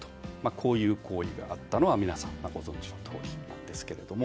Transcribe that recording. こういう行為があったのは皆さんご存じのとおりですけれども。